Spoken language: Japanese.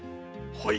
はい。